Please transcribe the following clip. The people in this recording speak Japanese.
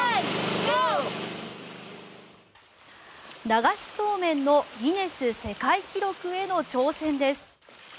流しそうめんのギネス世界記録への挑戦です。